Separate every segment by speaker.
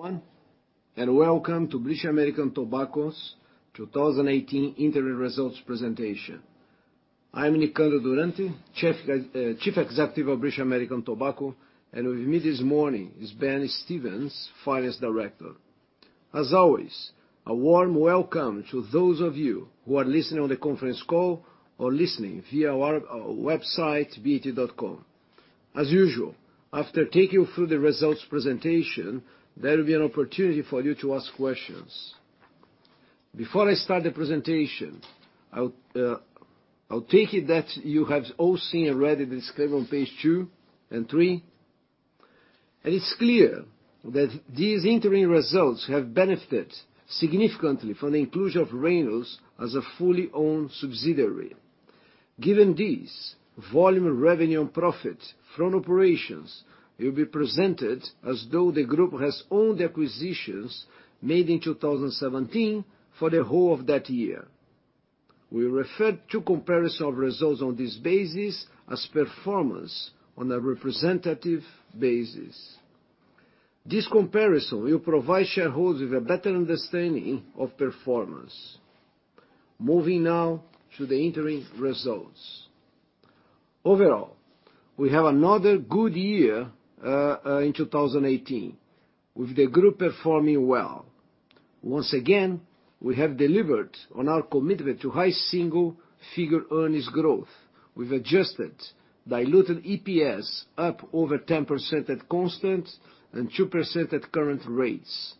Speaker 1: One, welcome to British American Tobacco's 2018 Interim Results Presentation. I'm Nicandro Durante, Chief Executive of British American Tobacco, and with me this morning is Ben Stevens, Finance Director. As always, a warm welcome to those of you who are listening on the conference call or listening via our website, bat.com. As usual, after taking you through the results presentation, there will be an opportunity for you to ask questions. Before I start the presentation, I'll take it that you have all seen and read the disclaimer on page two and three. It's clear that these interim results have benefited significantly from the inclusion of Reynolds as a fully owned subsidiary. Given this, volume, revenue, and profit from operations will be presented as though the group has owned the acquisitions made in 2017 for the whole of that year. We refer to comparison of results on this basis as performance on a representative basis. This comparison will provide shareholders with a better understanding of performance. Moving now to the interim results. Overall, we have another good year, in 2018, with the group performing well. Once again, we have delivered on our commitment to high single figure earnings growth, with adjusted diluted EPS up over 10% at constant and 2% at current rates.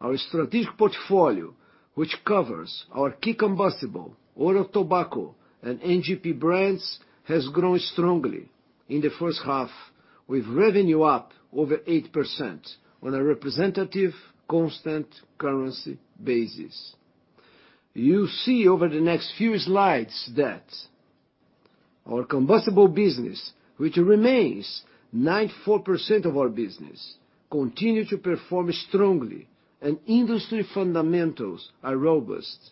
Speaker 1: Our strategic portfolio, which covers our key combustible, oral tobacco, and NGP brands, has grown strongly in the first half, with revenue up over 8% on a representative constant currency basis. You'll see over the next few slides that our combustible business, which remains 94% of our business, continue to perform strongly and industry fundamentals are robust.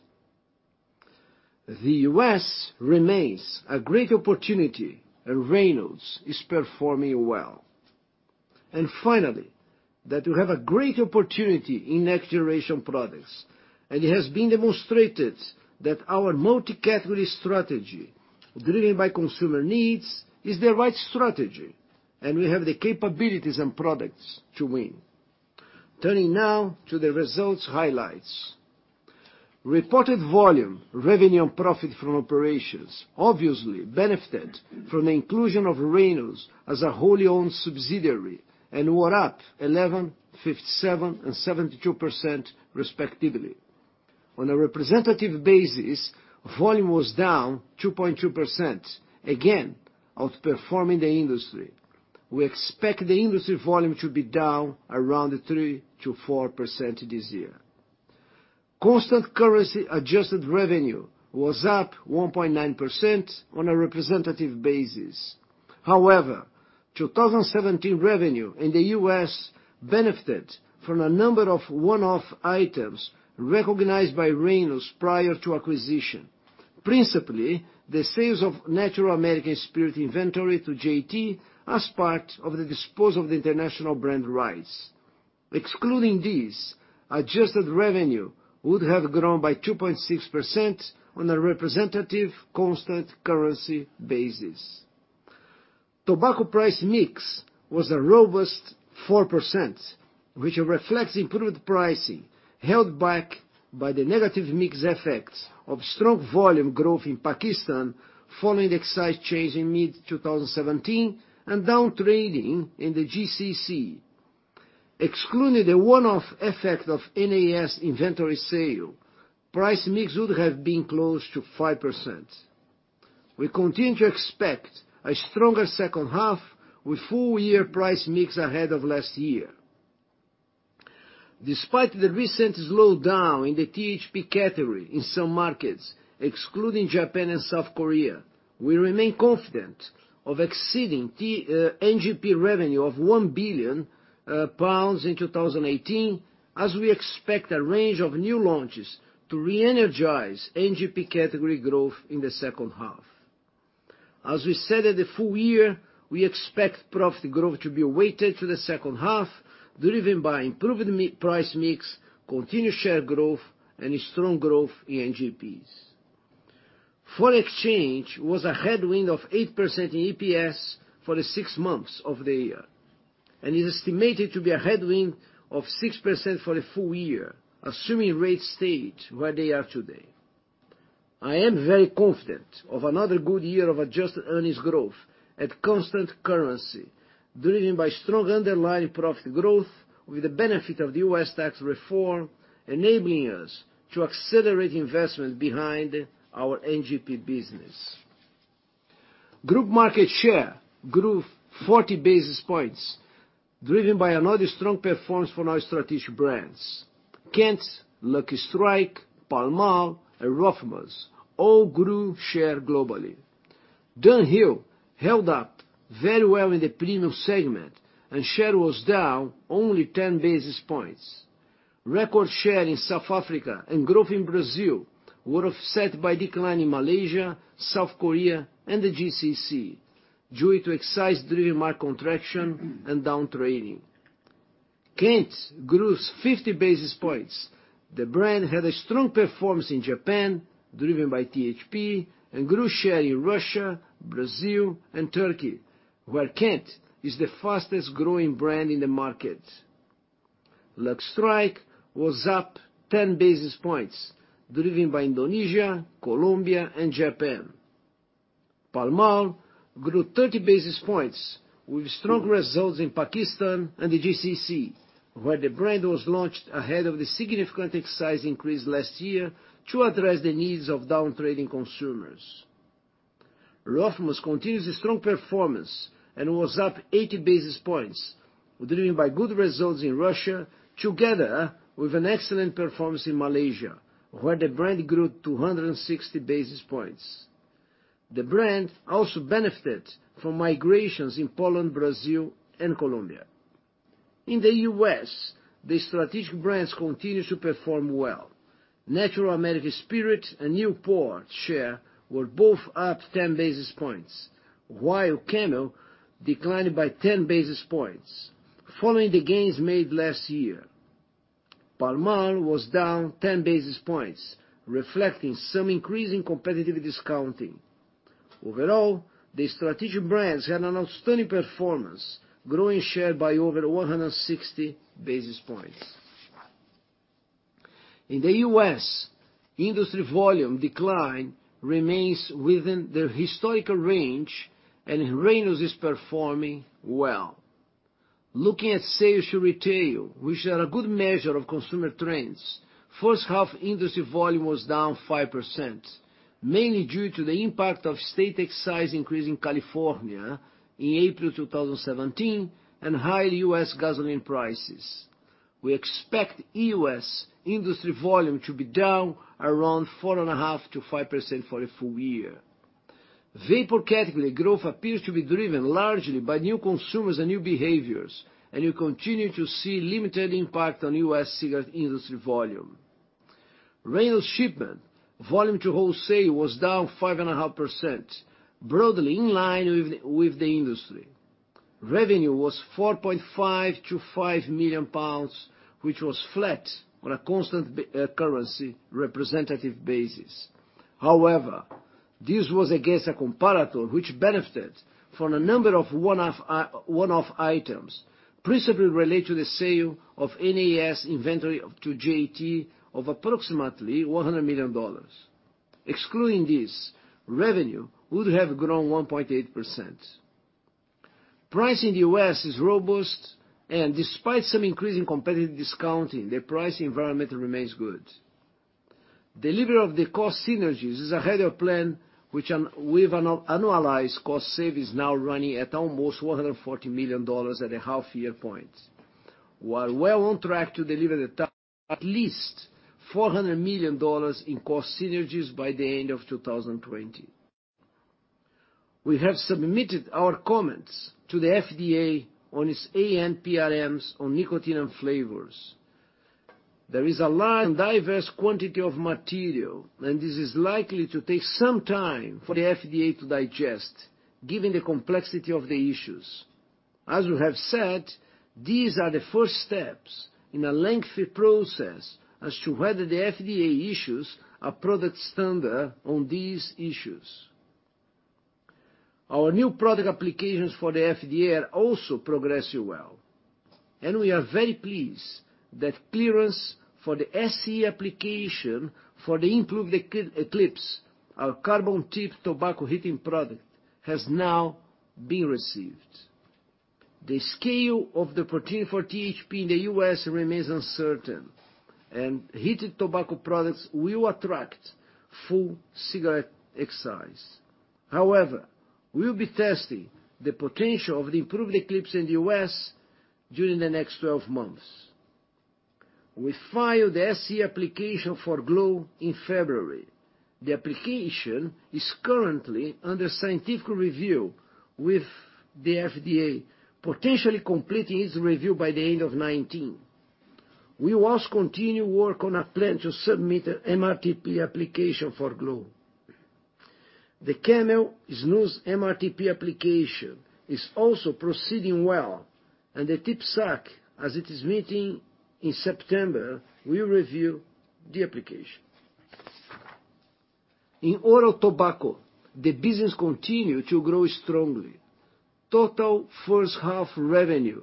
Speaker 1: The U.S. remains a great opportunity, and Reynolds is performing well. Finally, that we have a great opportunity in next generation products, it has been demonstrated that our multi-category strategy, driven by consumer needs, is the right strategy, and we have the capabilities and products to win. Turning now to the results highlights. Reported volume, revenue, and profit from operations obviously benefited from the inclusion of Reynolds as a wholly owned subsidiary and were up 11%, 57% and 72% respectively. On a representative basis, volume was down 2.2%, again, outperforming the industry. We expect the industry volume to be down around 3%-4% this year. Constant currency adjusted revenue was up 1.9% on a representative basis. However, 2017 revenue in the U.S. benefited from a number of one-off items recognized by Reynolds prior to acquisition. Principally, the sales of Natural American Spirit inventory to JT as part of the disposal of the international brand rights. Excluding this, adjusted revenue would have grown by 2.6% on a representative constant currency basis. Tobacco price mix was a robust 4%, which reflects improved pricing held back by the negative mix effects of strong volume growth in Pakistan following the excise change in mid-2017 and down trading in the GCC. Excluding the one-off effect of NAS inventory sale, price mix would have been close to 5%. We continue to expect a stronger second half with full-year price mix ahead of last year. Despite the recent slowdown in the THP category in some markets, excluding Japan and South Korea, we remain confident of exceeding NGP revenue of 1 billion pounds in 2018, as we expect a range of new launches to reenergize NGP category growth in the second half. As we said at the full year, we expect profit growth to be weighted to the second half, driven by improved price mix, continued share growth, and a strong growth in NGPs. Foreign exchange was a headwind of 8% in EPS for the six months of the year, and is estimated to be a headwind of 6% for the full year, assuming rates stay where they are today. I am very confident of another good year of adjusted earnings growth at constant currency, driven by strong underlying profit growth with the benefit of the U.S. tax reform, enabling us to accelerate investment behind our NGP business. Group market share grew 40 basis points, driven by another strong performance from our strategic brands. Kent, Lucky Strike, Pall Mall, and Rothmans all grew share globally. Dunhill held up very well in the premium segment and share was down only 10 basis points. Record share in South Africa and growth in Brazil were offset by decline in Malaysia, South Korea, and the GCC, due to excise-driven market contraction and down-trading. Kent grew 50 basis points. The brand had a strong performance in Japan, driven by THP, and grew share in Russia, Brazil, and Turkey, where Kent is the fastest-growing brand in the market. Lucky Strike was up 10 basis points, driven by Indonesia, Colombia, and Japan. Pall Mall grew 30 basis points with strong results in Pakistan and the GCC, where the brand was launched ahead of the significant excise increase last year to address the needs of down-trading consumers. Rothmans continues strong performance and was up 80 basis points, driven by good results in Russia, together with an excellent performance in Malaysia, where the brand grew 260 basis points. The brand also benefited from migrations in Poland, Brazil, and Colombia. In the U.S., the strategic brands continue to perform well. Natural American Spirit and Newport share were both up 10 basis points, while Camel declined by 10 basis points following the gains made last year. Pall Mall was down 10 basis points, reflecting some increase in competitive discounting. Overall, the strategic brands had an outstanding performance, growing share by over 160 basis points. In the U.S., industry volume decline remains within the historical range, and Reynolds is performing well. Looking at sales to retail, which are a good measure of consumer trends, first half industry volume was down 5%, mainly due to the impact of state excise increase in California in April 2017 and higher U.S. gasoline prices. We expect U.S. industry volume to be down around 4.5%-5% for the full year. Vapor category growth appears to be driven largely by new consumers and new behaviors, and we continue to see limited impact on U.S. cigarette industry volume. Reynolds shipment volume to wholesale was down 5.5%, broadly in line with the industry. Revenue was £4.5 billion-£5 billion, which was flat on a constant currency representative basis. However, this was against a comparator which benefited from a number of one-off items, principally related to the sale of NAS inventory to JTI of approximately $100 million. Excluding this, revenue would have grown 1.8%. Price in the U.S. is robust, and despite some increase in competitive discounting, the price environment remains good. Delivery of the cost synergies is ahead of plan, with annualized cost savings now running at almost $140 million at the half-year point. We're well on track to deliver at least $400 million in cost synergies by the end of 2020. We have submitted our comments to the FDA on its ANPRMs on nicotine and flavors. There is a large and diverse quantity of material, and this is likely to take some time for the FDA to digest, given the complexity of the issues. As we have said, these are the first steps in a lengthy process as to whether the FDA issues a product standard on these issues. Our new product applications for the FDA are also progressing well, and we are very pleased that clearance for the SE application for the improved Eclipse, our carbon heat tobacco heating product, has now been received. The scale of the potential for THP in the U.S. remains uncertain, and heated tobacco products will attract full cigarette excise. We'll be testing the potential of the improved Eclipse in the U.S. during the next 12 months. We filed the SE application for Velo in February. The application is currently under scientific review with the FDA, potentially completing its review by the end of 2019. We will also continue work on a plan to submit an MRTP application for Velo. The Camel Snus MRTP application is also proceeding well and the TPSAC, as it is meeting in September, will review the application. In oral tobacco, the business continued to grow strongly. Total first half revenue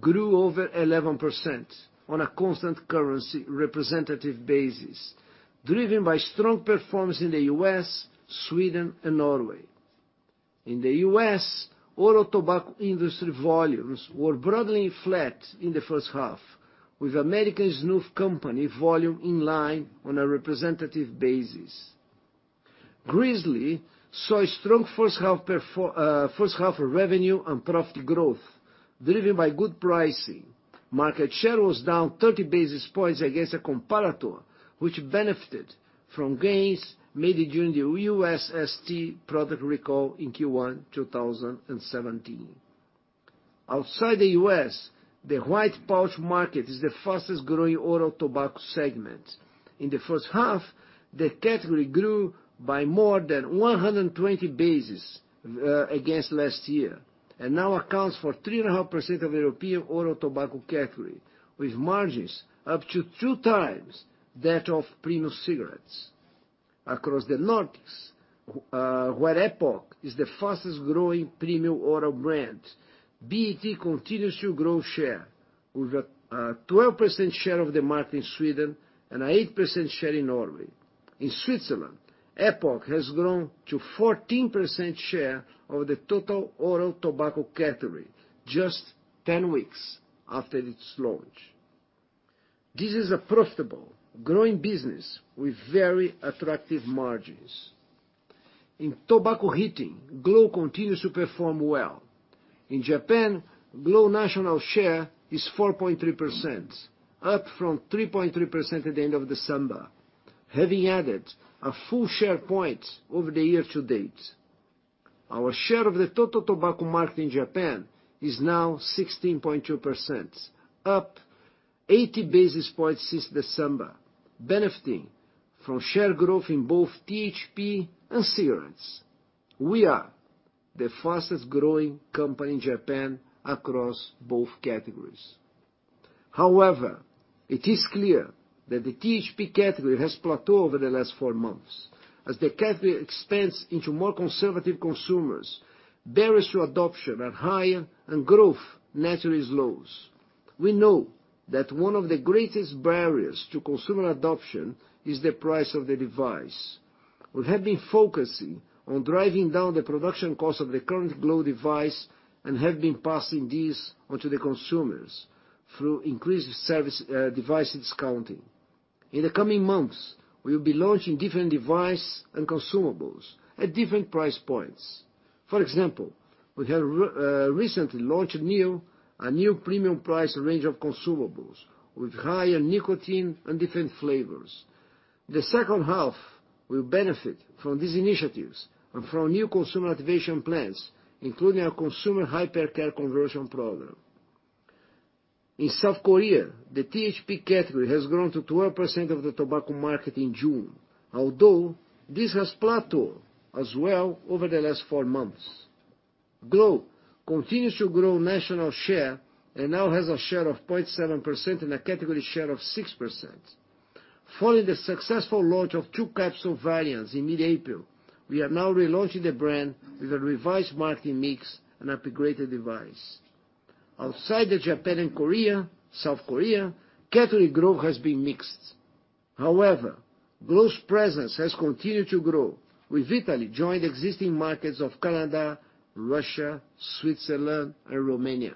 Speaker 1: grew over 11% on a constant currency representative basis, driven by strong performance in the U.S., Sweden, and Norway. In the U.S., oral tobacco industry volumes were broadly flat in the first half, with American Snuff Company volume in line on a representative basis. Grizzly saw strong first half revenue and profit growth, driven by good pricing. Market share was down 30 basis points against a comparator, which benefited from gains made during the US ST product recall in Q1 2017. Outside the U.S., the white pouch market is the fastest-growing oral tobacco segment. In the first half, the category grew by more than 120 basis points against last year, and now accounts for 3.5% of European oral tobacco category, with margins up to two times that of premium cigarettes. Across the Nordics, where EPOK is the fastest growing premium oral brand, BAT continues to grow share, with a 12% share of the market in Sweden and an 8% share in Norway. In Switzerland, EPOK has grown to 14% share of the total oral tobacco category just 10 weeks after its launch. This is a profitable, growing business with very attractive margins. In tobacco heating, glo continues to perform well. In Japan, glo national share is 4.3%, up from 3.3% at the end of December, having added a full share point over the year to date. Our share of the total tobacco market in Japan is now 16.2%, up 80 basis points since December, benefiting from share growth in both THP and cigarettes. We are the fastest growing company in Japan across both categories. It is clear that the THP category has plateaued over the last four months. As the category expands into more conservative consumers, barriers to adoption are higher and growth naturally slows. We know that one of the greatest barriers to consumer adoption is the price of the device. We have been focusing on driving down the production cost of the current glo device and have been passing this on to the consumers through increased device discounting. In the coming months, we will be launching different device and consumables at different price points. For example, we have recently launched a new premium price range of consumables with higher nicotine and different flavors. The second half will benefit from these initiatives and from new consumer activation plans, including our consumer hypercare conversion program. In South Korea, the THP category has grown to 12% of the tobacco market in June, although this has plateaued as well over the last four months. Glo continues to grow national share and now has a share of 0.7% and a category share of 6%. Following the successful launch of two capsule variants in mid-April, we are now relaunching the brand with a revised marketing mix and upgraded device. Outside of Japan and South Korea, category growth has been mixed. Glo's presence has continued to grow, with Italy joined existing markets of Canada, Russia, Switzerland, and Romania.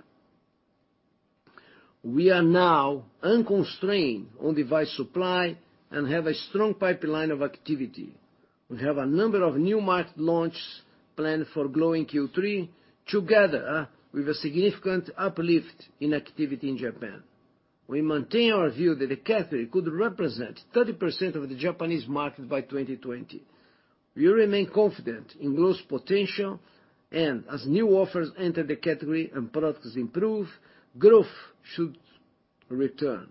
Speaker 1: We are now unconstrained on device supply and have a strong pipeline of activity. We have a number of new market launches planned for Glo in Q3, together with a significant uplift in activity in Japan. We maintain our view that the category could represent 30% of the Japanese market by 2020. We remain confident in Glo's potential, and as new offers enter the category and products improve, growth should return.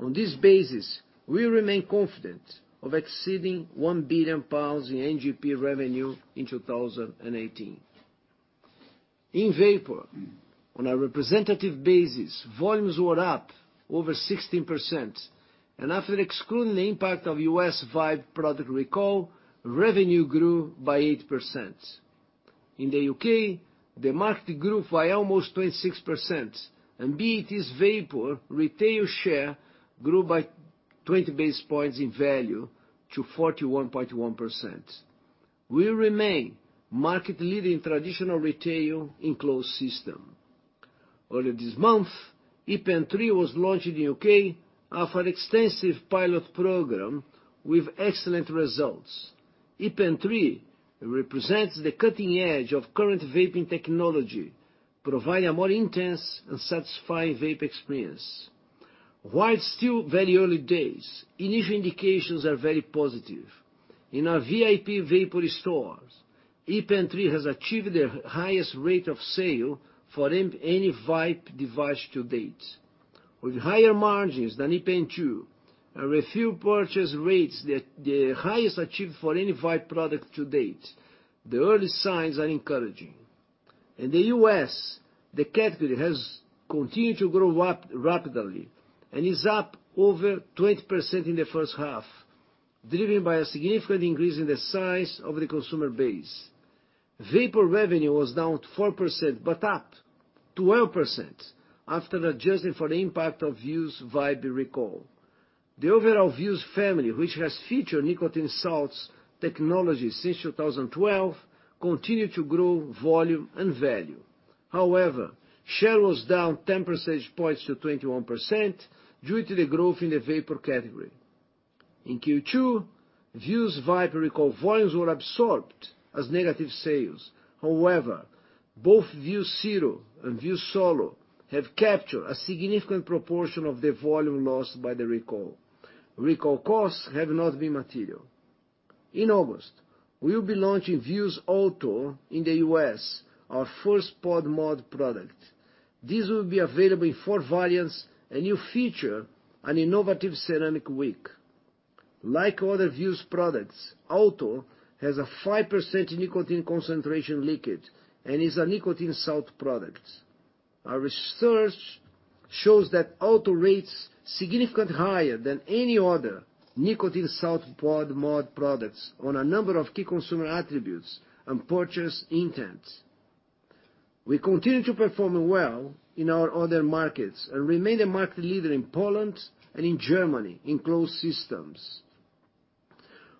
Speaker 1: On this basis, we remain confident of exceeding 1 billion pounds in NGP revenue in 2018. In vapor, on a representative basis, volumes were up over 16%, and after excluding the impact of U.S. Vibe product recall, revenue grew by 8%. In the U.K., the market grew by almost 26%, and BAT's vapor retail share grew by 20 basis points in value to 41.1%. We remain market leader in traditional retail in closed system. Early this month, ePen 3 was launched in the U.K. after an extensive pilot program with excellent results. ePen 3 represents the cutting edge of current vaping technology, providing a more intense and satisfying vape experience. While it's still very early days, initial indications are very positive. In our VIP vaping stores, ePen 3 has achieved the highest rate of sale for any Vibe device to date. With higher margins than ePen 2, and refill purchase rates the highest achieved for any Vibee product to date, the early signs are encouraging. In the U.S., the category has continued to grow rapidly and is up over 20% in the first half, driven by a significant increase in the size of the consumer base. Vapor revenue was down 4%, but up 12% after adjusting for the impact of Vuse Vibe recall. The overall Vuse family, which has featured nicotine salts technology since 2012, continued to grow volume and value. Share was down 10 percentage points to 21% due to the growth in the vapor category. In Q2, Vuse Vibe recall volumes were absorbed as negative sales. Both Vuse Zero and Vuse Solo have captured a significant proportion of the volume lost by the recall. Recall costs have not been material. In August, we will be launching Vuse Alto in the U.S., our first pod mod product. This will be available in four variants, a new feature, an innovative ceramic wick. Like other Vuse products, Alto has a 5% nicotine concentration liquid and is a nicotine salt product. Our research shows that Alto rates significant higher than any other nicotine salt pod mod products on a number of key consumer attributes and purchase intent. We continue to perform well in our other markets and remain the market leader in Poland and in Germany in closed systems.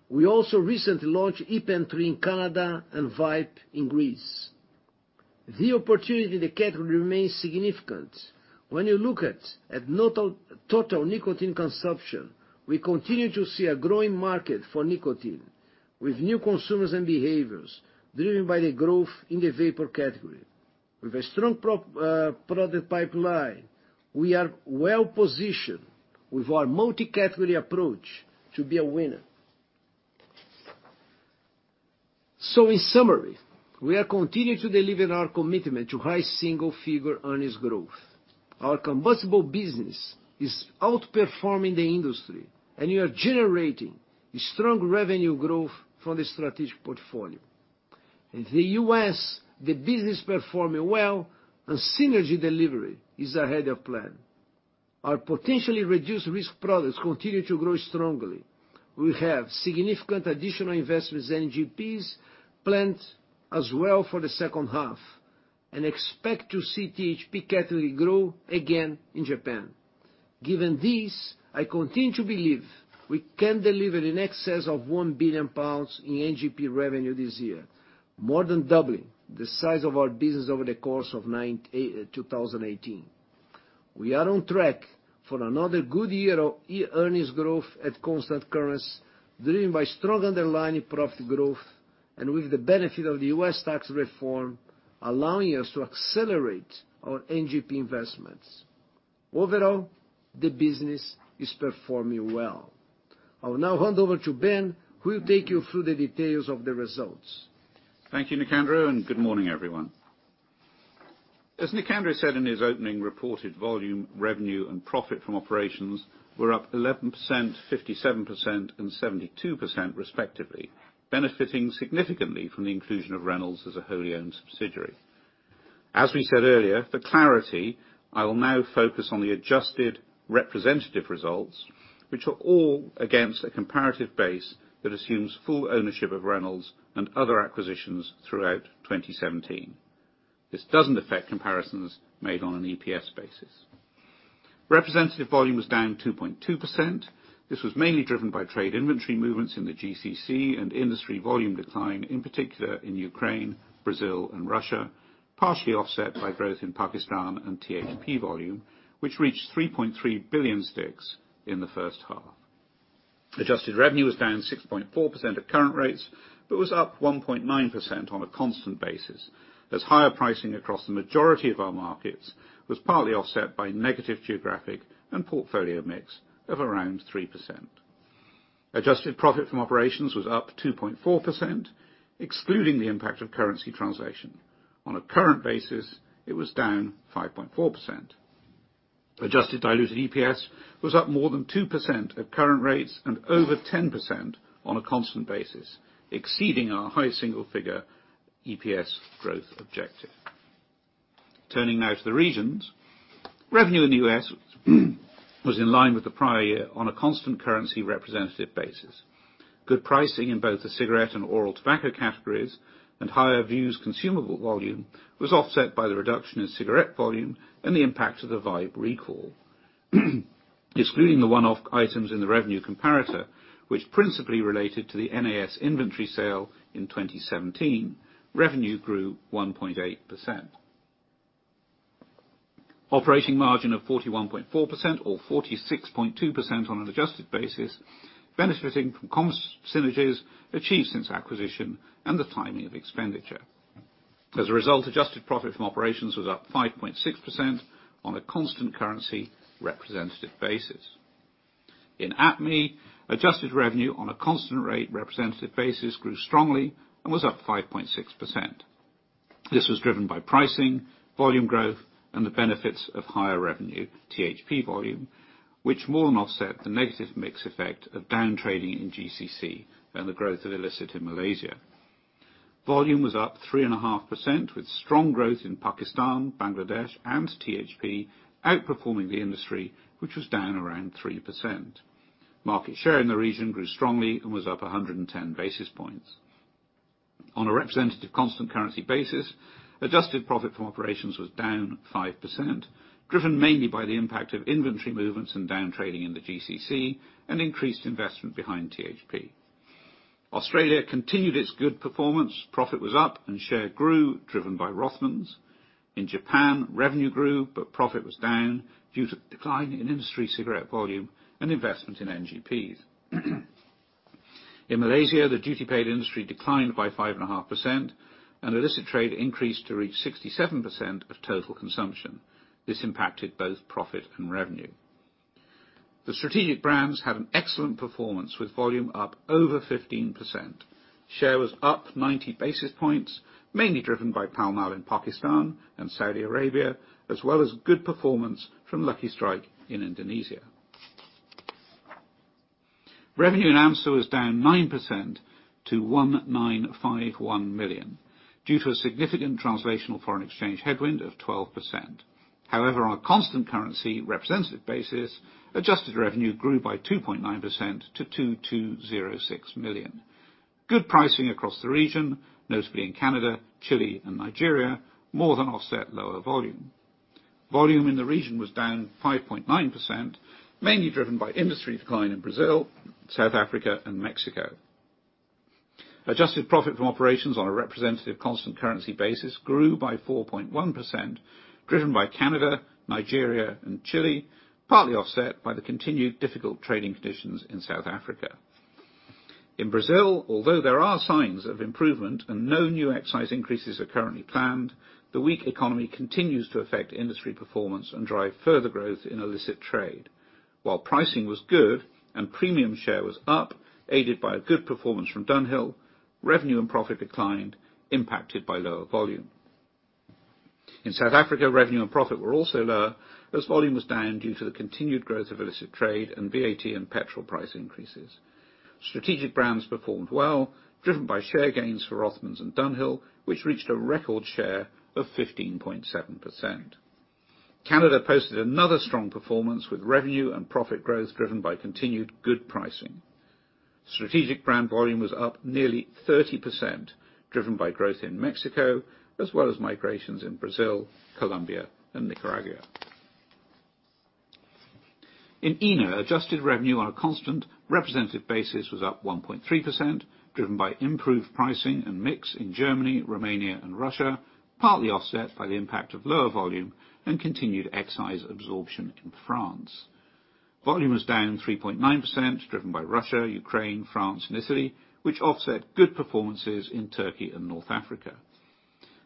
Speaker 1: We also recently launched ePen 3 in Canada and Vibe in Greece. The opportunity in the category remains significant. When you look at total nicotine consumption, we continue to see a growing market for nicotine with new consumers and behaviors, driven by the growth in the vapor category. With a strong product pipeline, we are well-positioned with our multi-category approach to be a winner. In summary, we are continuing to deliver our commitment to high single figure earnings growth. Our combustible business is outperforming the industry, we are generating strong revenue growth from the strategic portfolio. In the U.S., the business performing well, synergy delivery is ahead of plan. Our potentially reduced risk products continue to grow strongly. We have significant additional investments in NGPs planned as well for the second half and expect to see THP category grow again in Japan. Given this, I continue to believe we can deliver in excess of 1 billion pounds in NGP revenue this year. More than doubling the size of our business over the course of 2018. We are on track for another good year of earnings growth at constant currency, driven by strong underlying profit growth with the benefit of the U.S. tax reform, allowing us to accelerate our NGP investments. Overall, the business is performing well. I will now hand over to Ben, who will take you through the details of the results.
Speaker 2: Thank you, Nicandro, good morning, everyone. As Nicandro said in his opening, reported volume, revenue, and profit from operations were up 11%, 57% and 72% respectively, benefiting significantly from the inclusion of Reynolds as a wholly owned subsidiary. As we said earlier, for clarity, I will now focus on the adjusted representative results, which are all against a comparative base that assumes full ownership of Reynolds and other acquisitions throughout 2017. This doesn't affect comparisons made on an EPS basis. Representative volume was down 2.2%. This was mainly driven by trade inventory movements in the GCC industry volume decline, in particular in Ukraine, Brazil, and Russia, partially offset by growth in Pakistan and THP volume, which reached 3.3 billion sticks in the first half. Adjusted revenue was down 6.4% at current rates, was up 1.9% on a constant basis, as higher pricing across the majority of our markets was partly offset by negative geographic and portfolio mix of around 3%. Adjusted profit from operations was up 2.4%, excluding the impact of currency translation. On a current basis, it was down 5.4%. Adjusted diluted EPS was up more than 2% at current rates and over 10% on a constant basis, exceeding our high single figure EPS growth objective. Turning now to the regions. Revenue in the U.S. was in line with the prior year on a constant currency representative basis. Good pricing in both the cigarette and oral tobacco categories and higher Vuse consumable volume was offset by the reduction in cigarette volume and the impact of the Vibe recall. Excluding the one-off items in the revenue comparator, which principally related to the NAS inventory sale in 2017, revenue grew 1.8%. Operating margin of 41.4% or 46.2% on an adjusted basis, benefiting from comms synergies achieved since acquisition and the timing of expenditure. As a result, adjusted profit from operations was up 5.6% on a constant currency representative basis. In APME, adjusted revenue on a constant rate representative basis grew strongly and was up 5.6%. This was driven by pricing, volume growth, and the benefits of higher revenue THP volume, which more than offset the negative mix effect of down trading in GCC and the growth of illicit in Malaysia. Volume was up 3.5% with strong growth in Pakistan, Bangladesh, and THP, outperforming the industry, which was down around 3%. Market share in the region grew strongly and was up 110 basis points. On a representative constant currency basis, adjusted profit from operations was down 5%, driven mainly by the impact of inventory movements and down trading in the GCC and increased investment behind THP. Australia continued its good performance. Profit was up, and share grew, driven by Rothmans. In Japan, revenue grew, profit was down due to decline in industry cigarette volume and investment in NGPs. In Malaysia, the duty paid industry declined by 5.5% and illicit trade increased to reach 67% of total consumption. This impacted both profit and revenue. The strategic brands had an excellent performance with volume up over 15%. Share was up 90 basis points, mainly driven by Pall Mall in Pakistan and Saudi Arabia, as well as good performance from Lucky Strike in Indonesia. Revenue in AMSSA was down 9% to 1,951 million, due to a significant translational foreign exchange headwind of 12%. On a constant currency representative basis, adjusted revenue grew by 2.9% to 2,206 million. Good pricing across the region, notably in Canada, Chile, and Nigeria, more than offset lower volume. Volume in the region was down 5.9%, mainly driven by industry decline in Brazil, South Africa, and Mexico. Adjusted profit from operations on a representative constant currency basis grew by 4.1%, driven by Canada, Nigeria, and Chile, partly offset by the continued difficult trading conditions in South Africa. In Brazil, although there are signs of improvement and no new excise increases are currently planned, the weak economy continues to affect industry performance and drive further growth in illicit trade. While pricing was good and premium share was up, aided by a good performance from Dunhill, revenue and profit declined, impacted by lower volume. In South Africa, revenue and profit were also lower as volume was down due to the continued growth of illicit trade and VAT and petrol price increases. Strategic brands performed well, driven by share gains for Rothmans and Dunhill, which reached a record share of 15.7%. Canada posted another strong performance with revenue and profit growth driven by continued good pricing. Strategic brand volume was up nearly 30%, driven by growth in Mexico as well as migrations in Brazil, Colombia, and Nicaragua. In ENA, adjusted revenue on a constant representative basis was up 1.3%, driven by improved pricing and mix in Germany, Romania, and Russia, partly offset by the impact of lower volume and continued excise absorption in France. Volume was down 3.9%, driven by Russia, Ukraine, France, and Italy, which offset good performances in Turkey and North Africa.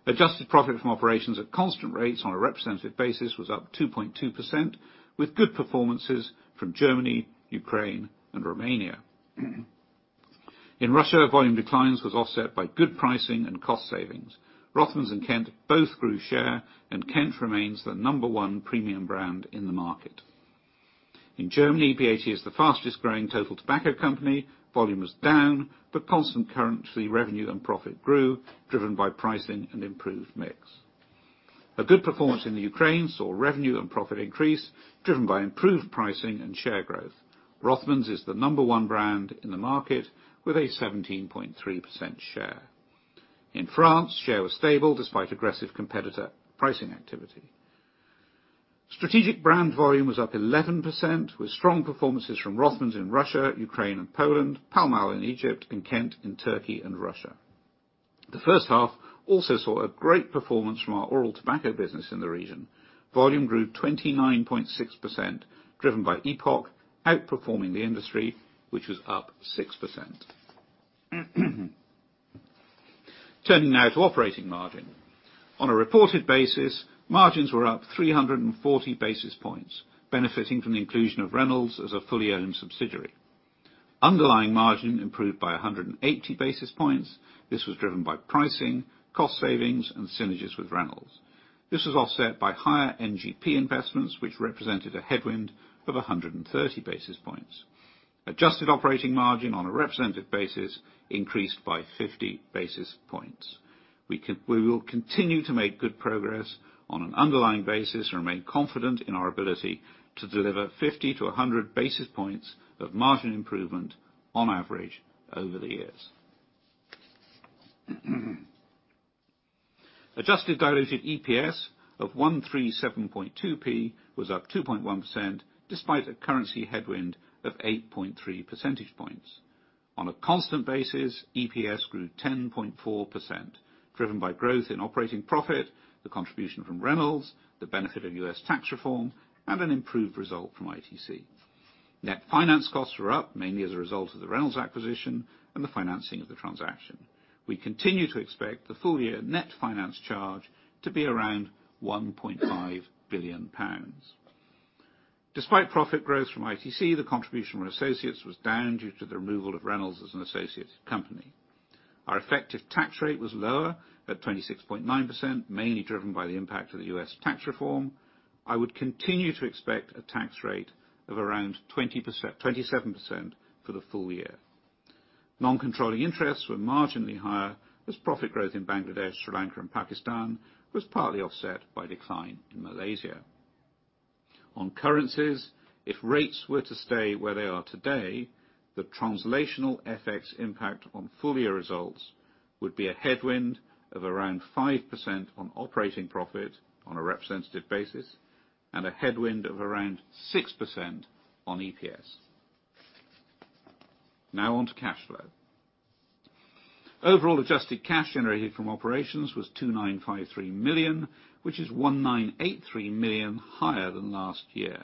Speaker 2: Adjusted profit from operations at constant rates on a representative basis was up 2.2%, with good performances from Germany, Ukraine, and Romania. In Russia, volume declines was offset by good pricing and cost savings. Rothmans and Kent both grew share, and Kent remains the number one premium brand in the market. In Germany, BAT is the fastest growing total tobacco company. Volume was down, but constant currency revenue and profit grew, driven by pricing and improved mix. A good performance in the Ukraine saw revenue and profit increase, driven by improved pricing and share growth. Rothmans is the number one brand in the market with a 17.3% share. In France, share was stable despite aggressive competitor pricing activity. Strategic brand volume was up 11%, with strong performances from Rothmans in Russia, Ukraine and Poland, Pall Mall in Egypt, and Kent in Turkey and Russia. The first half also saw a great performance from our oral tobacco business in the region. Volume grew 29.6%, driven by EPOK outperforming the industry, which was up 6%. Turning now to operating margin. On a reported basis, margins were up 340 basis points, benefiting from the inclusion of Reynolds as a fully owned subsidiary. Underlying margin improved by 180 basis points. This was driven by pricing, cost savings, and synergies with Reynolds. This was offset by higher NGP investments, which represented a headwind of 130 basis points. Adjusted operating margin on a representative basis increased by 50 basis points. We will continue to make good progress on an underlying basis and remain confident in our ability to deliver 50 to 100 basis points of margin improvement on average over the years. Adjusted diluted EPS of 1.372 was up 2.1%, despite a currency headwind of 8.3 percentage points. On a constant basis, EPS grew 10.4%, driven by growth in operating profit, the contribution from Reynolds, the benefit of U.S. tax reform, and an improved result from ITC. Net finance costs were up mainly as a result of the Reynolds acquisition and the financing of the transaction. We continue to expect the full year net finance charge to be around 1.5 billion pounds. Despite profit growth from ITC, the contribution from associates was down due to the removal of Reynolds as an associated company. Our effective tax rate was lower at 26.9%, mainly driven by the impact of the U.S. tax reform. I would continue to expect a tax rate of around 27% for the full year. Non-controlling interests were marginally higher as profit growth in Bangladesh, Sri Lanka, and Pakistan was partly offset by decline in Malaysia. On currencies, if rates were to stay where they are today, the translational FX impact on full year results would be a headwind of around 5% on operating profit on a representative basis, and a headwind of around 6% on EPS. On to cash flow. Overall adjusted cash generated from operations was 2,953 million, which is 1,983 million higher than last year.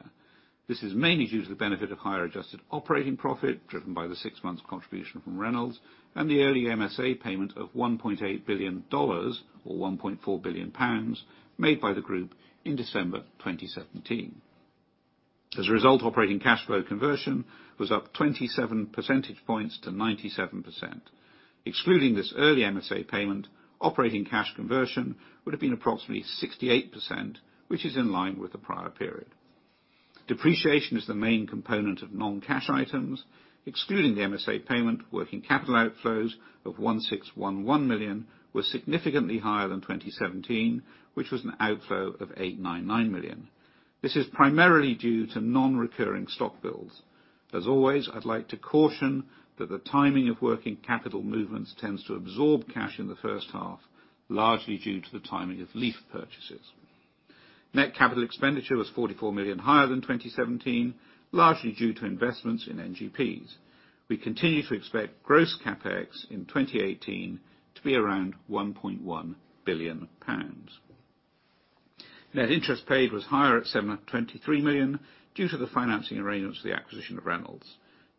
Speaker 2: This is mainly due to the benefit of higher adjusted operating profit, driven by the six months contribution from Reynolds and the early MSA payment of $1.8 billion or 1.4 billion pounds made by the group in December 2017. Operating cash flow conversion was up 27 percentage points to 97%. Excluding this early MSA payment, operating cash conversion would have been approximately 68%, which is in line with the prior period. Depreciation is the main component of non-cash items. Excluding the MSA payment, working capital outflows of 1,611 million were significantly higher than 2017, which was an outflow of 899 million. This is primarily due to non-recurring stock builds. I'd like to caution that the timing of working capital movements tends to absorb cash in the first half, largely due to the timing of Leaf purchases. Net capital expenditure was 44 million higher than 2017, largely due to investments in NGPs. We continue to expect gross CapEx in 2018 to be around GBP 1.1 billion. Net interest paid was higher at GBP 723 million due to the financing arrangements for the acquisition of Reynolds.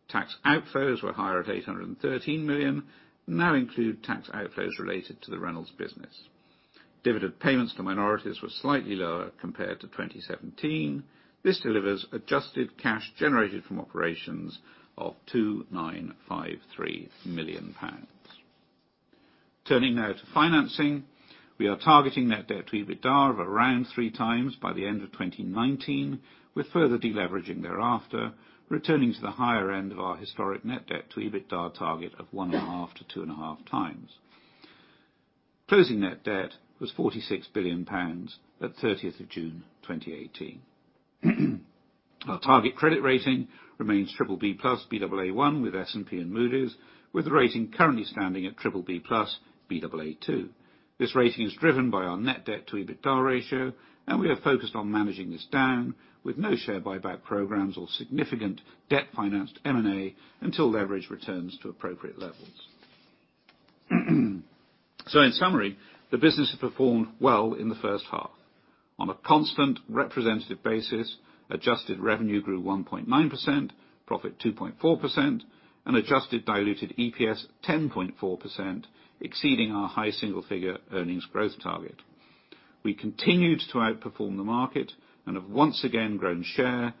Speaker 2: Tax outflows were higher at GBP 813 million, and now include tax outflows related to the Reynolds business. Dividend payments to minorities were slightly lower compared to 2017. This delivers adjusted cash generated from operations of 2,953 million pounds. Turning now to financing. We are targeting net debt to EBITDA of around 3x by the end of 2019, with further de-leveraging thereafter, returning to the higher end of our historic net debt to EBITDA target of 1.5x-2.5x. Closing net debt was GBP 46 billion at 30th of June 2018. Our target credit rating remains BBB+ Baa1 with S&P and Moody's, with the rating currently standing at BBB+ Baa2. This rating is driven by our net debt to EBITDA ratio, and we are focused on managing this down, with no share buyback programs or significant debt-financed M&A until leverage returns to appropriate levels. In summary, the business has performed well in the first half. On a constant representative basis, adjusted revenue grew 1.9%, profit 2.4%, and adjusted diluted EPS 10.4%, exceeding our high single-figure earnings growth target. With a 0.488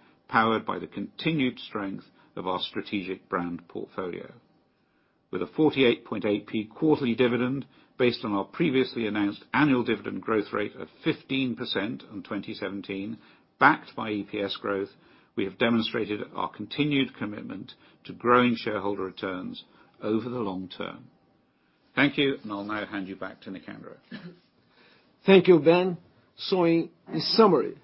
Speaker 2: quarterly dividend, based on our previously announced annual dividend growth rate of 15% on 2017, backed by EPS growth, we have demonstrated our continued commitment to growing shareholder returns over the long term. Thank you, and I'll now hand you back to Nicandro.
Speaker 1: Thank you, Ben. In summary,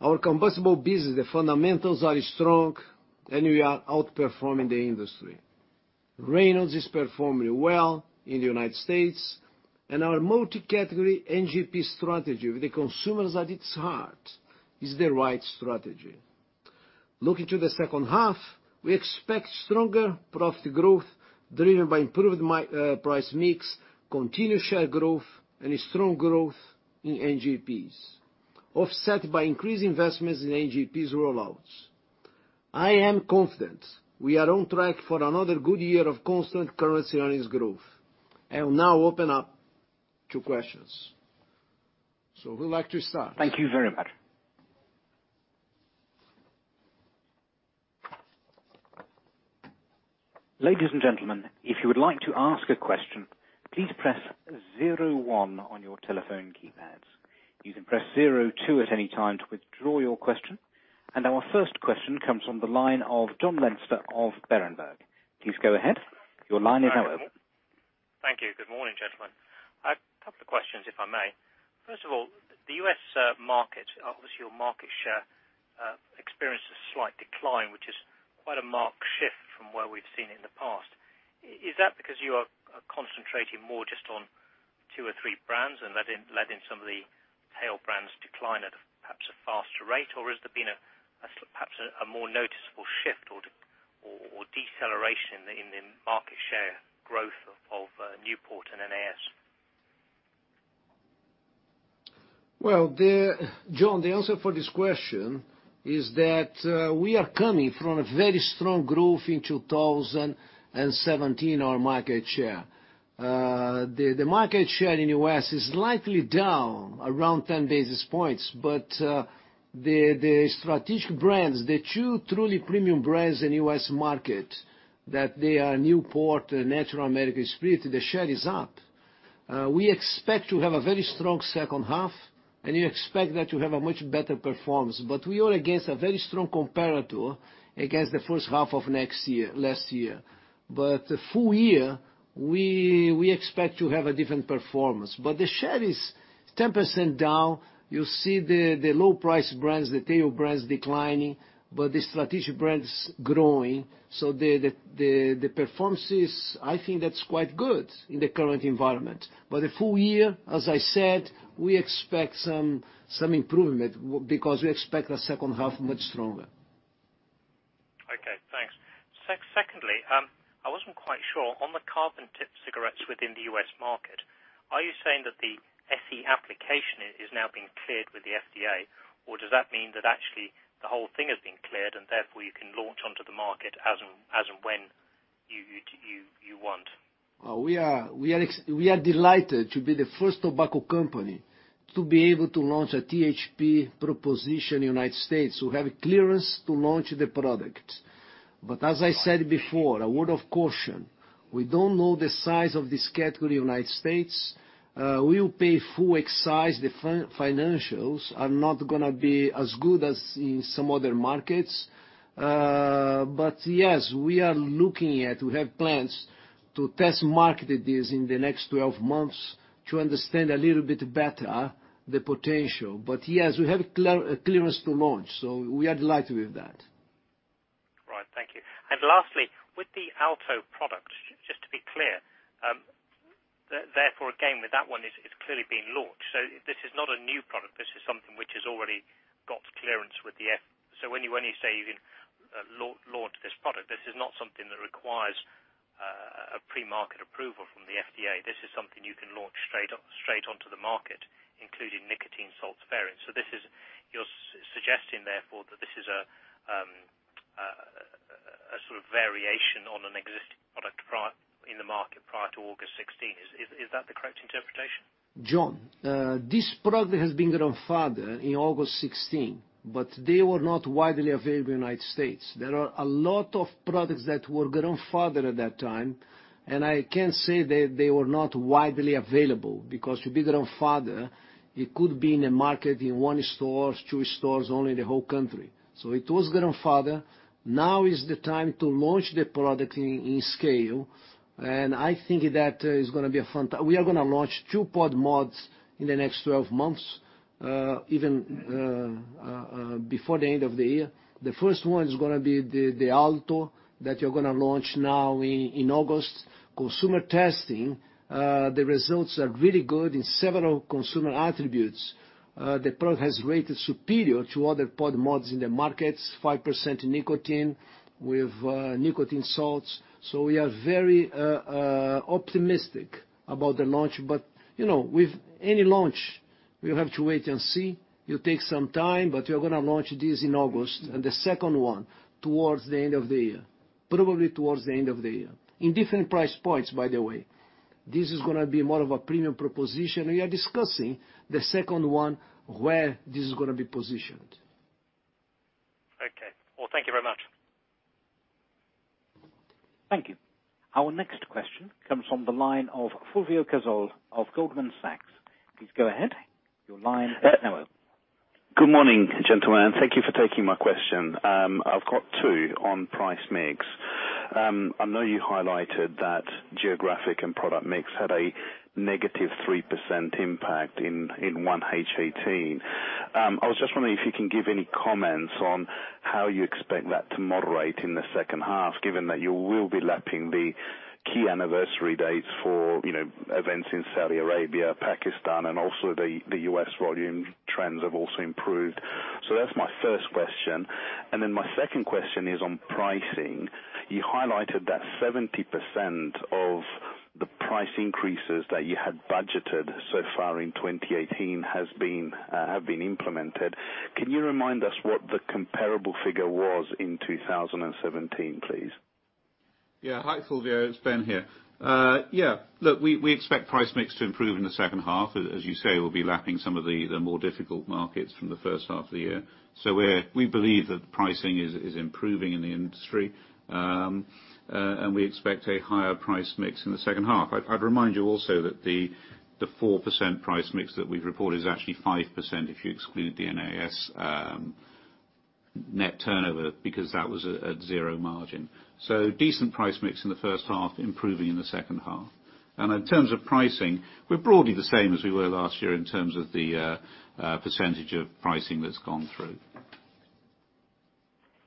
Speaker 1: our combustible business, the fundamentals are strong, and we are outperforming the industry. Reynolds is performing well in the U.S., our multi-category NGP strategy with the consumers at its heart is the right strategy. Looking to the second half, we expect stronger profit growth driven by improved price mix, continued share growth, and strong growth in NGPs, offset by increased investments in NGPs rollouts. I am confident we are on track for another good year of constant currency earnings growth. I will now open up to questions. Who would like to start?
Speaker 3: Thank you very much. Ladies and gentlemen, if you would like to ask a question, please press 01 on your telephone keypads. You can press 02 at any time to withdraw your question. Our first question comes from the line of Jon Leinster of Berenberg. Please go ahead. Your line is now open.
Speaker 4: Thank you. Good morning, gentlemen. I have a couple of questions, if I may. First of all, the U.S. market. Obviously, your market share experienced a slight decline, which is quite a marked shift from where we've seen it in the past. Is that because you are concentrating more just on two or three brands and letting some of the tail brands decline at perhaps a faster rate? Has there been perhaps a more noticeable shift or deceleration in the market share growth of Newport and NAS?
Speaker 1: Well, John, the answer for this question is that we are coming from a very strong growth in 2017, our market share. The market share in U.S. is slightly down, around 10 basis points. The strategic brands, the two truly premium brands in U.S. market, that they are Newport and Natural American Spirit, the share is up. We expect to have a very strong second half, and we expect that to have a much better performance. We are against a very strong comparator against the first half of last year. The full year, we expect to have a different performance. The share is 10% down. You see the low price brands, the tail brands declining, but the strategic brands growing. The performances, I think that's quite good in the current environment. The full year, as I said, we expect some improvement because we expect the second half much stronger.
Speaker 4: Okay, thanks. Secondly, I wasn't quite sure, on the carbon tip cigarettes within the U.S. market, are you saying that the SE application is now being cleared with the FDA? Or does that mean that actually the whole thing has been cleared and therefore you can launch onto the market as and when you want.
Speaker 1: We are delighted to be the first tobacco company to be able to launch a THP proposition in the United States. We have clearance to launch the product. As I said before, a word of caution, we don't know the size of this category in the United States. We'll pay full excise. The financials are not going to be as good as in some other markets. Yes, we are looking at, we have plans to test market this in the next 12 months to understand a little bit better the potential. Yes, we have clearance to launch, so we are delighted with that.
Speaker 4: Right. Thank you. Lastly, with the Alto product, just to be clear, therefore, again, with that one, it's clearly been launched. This is not a new product. This is something which has already got clearance with the FDA. So when you say you can launch this product, this is not something that requires a pre-market approval from the FDA. This is something you can launch straight onto the market, including nicotine salts variants. You're suggesting, therefore, that this is a sort of variation on an existing product in the market prior to August 2016. Is that the correct interpretation?
Speaker 1: John, this product has been grandfathered in August 2016, but they were not widely available in the U.S. There are a lot of products that were grandfathered at that time, and I can say they were not widely available, because to be grandfathered, it could be in a market in one store, two stores, only in the whole country. It was grandfathered. Now is the time to launch the product in scale, and I think that is going to be. We are going to launch two pod mods in the next 12 months, even before the end of the year. The first one is going to be the Alto that you are going to launch now in August. Consumer testing, the results are really good in several consumer attributes. The product has rated superior to other pod mods in the markets, 5% nicotine with nicotine salts. We are very optimistic about the launch. With any launch, we will have to wait and see. It will take some time, but we are going to launch this in August. The second one towards the end of the year. Probably towards the end of the year. In different price points, by the way. This is going to be more of a premium proposition, and we are discussing the second one, where this is going to be positioned.
Speaker 4: Okay. Well, thank you very much.
Speaker 3: Thank you. Our next question comes from the line of Fulvio Casole of Goldman Sachs. Please go ahead. Your line is now open.
Speaker 5: Good morning, gentlemen. Thank you for taking my question. I've got two on price mix. I know you highlighted that geographic and product mix had a negative 3% impact in 1H18. I was just wondering if you can give any comments on how you expect that to moderate in the second half, given that you will be lapping the key anniversary dates for events in Saudi Arabia, Pakistan, and also the U.S. volume trends have also improved. That's my first question. My second question is on pricing. You highlighted that 70% of the price increases that you had budgeted so far in 2018 have been implemented. Can you remind us what the comparable figure was in 2017, please?
Speaker 2: Hi, Fulvio. It's Ben here. We expect price mix to improve in the second half. As you say, we'll be lapping some of the more difficult markets from the first half of the year. We believe that the pricing is improving in the industry. We expect a higher price mix in the second half. I'd remind you also that the 4% price mix that we've reported is actually 5% if you exclude the NAS net turnover, because that was at zero margin. Decent price mix in the first half, improving in the second half. In terms of pricing, we're broadly the same as we were last year in terms of the percentage of pricing that's gone through.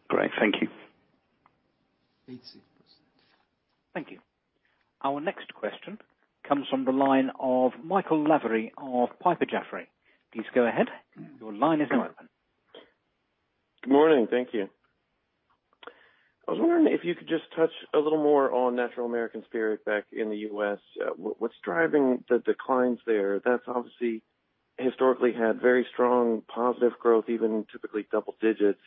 Speaker 5: Great. Thank you.
Speaker 1: 80%.
Speaker 3: Thank you. Our next question comes from the line of Michael Lavery of Piper Jaffray. Please go ahead. Your line is now open.
Speaker 6: Good morning. Thank you. I was wondering if you could just touch a little more on Natural American Spirit back in the U.S. What's driving the declines there? That's obviously historically had very strong positive growth, even typically double digits.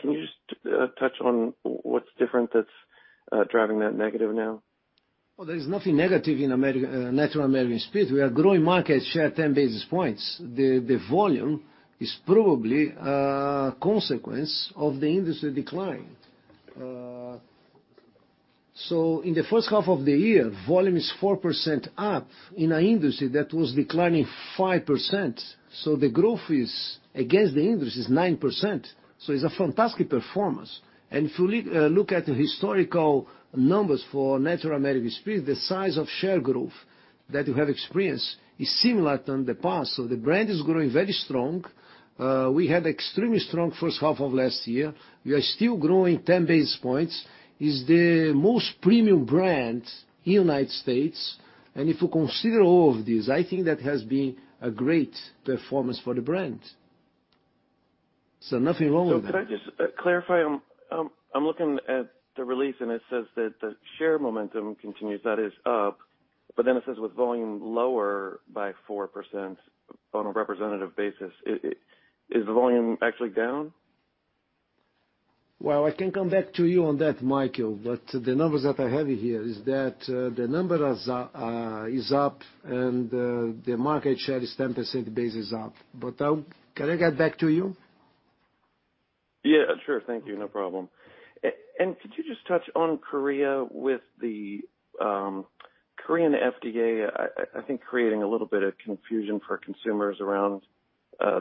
Speaker 6: Can you just touch on what's different that's driving that negative now?
Speaker 1: Well, there is nothing negative in Natural American Spirit. We are growing market share 10 basis points. The volume is probably a consequence of the industry decline. In the first half of the year, volume is 4% up in an industry that was declining 5%. The growth against the industry is 9%. It's a fantastic performance. If you look at the historical numbers for Natural American Spirit, the size of share growth that you have experienced is similar to the past. The brand is growing very strong. We had extremely strong first half of last year. We are still growing 10 basis points. It's the most premium brand in the United States. If you consider all of this, I think that has been a great performance for the brand. Nothing wrong with that.
Speaker 6: Could I just clarify? I'm looking at the release, and it says that the share momentum continues, that is up It then says with volume lower by 4% on a representative basis. Is the volume actually down?
Speaker 1: Well, I can come back to you on that, Michael, the numbers that I have here is that the number is up and the market share is 10 percentage basis up. Can I get back to you?
Speaker 6: Could you just touch on Korea with the Korean FDA, I think creating a little bit of confusion for consumers around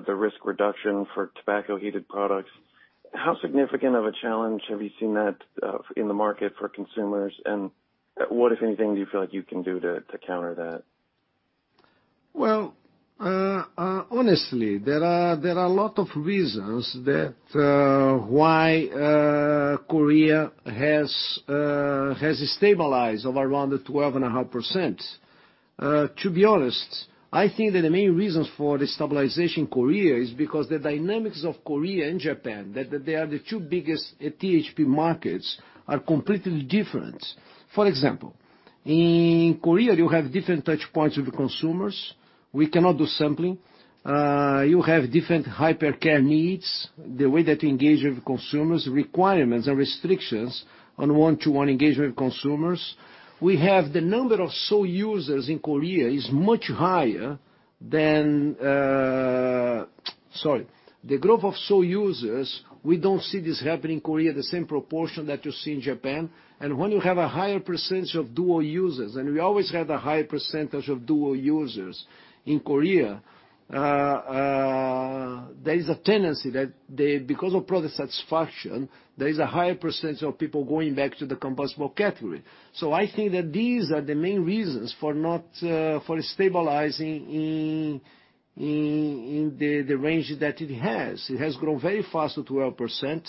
Speaker 6: the risk reduction for tobacco heated products. How significant of a challenge have you seen that in the market for consumers, and what, if anything, do you feel like you can do to counter that?
Speaker 1: Well, honestly, there are a lot of reasons that why Korea has stabilized of around the 12.5%. To be honest, I think that the main reasons for the stabilization Korea is because the dynamics of Korea and Japan, that they are the two biggest THP markets, are completely different. For example, in Korea, you have different touch points with the consumers. We cannot do sampling. You have different hyper care needs, the way that you engage with consumers, requirements and restrictions on one-to-one engagement with consumers. We have the number of sole users in Korea is much higher than Sorry. The growth of sole users, we don't see this happening in Korea, the same proportion that you see in Japan. When you have a higher percentage of dual users, and we always have a high percentage of dual users in Korea, there is a tendency that because of product satisfaction, there is a higher percentage of people going back to the combustible category. I think that these are the main reasons for stabilizing in the range that it has. It has grown very fast at 12%,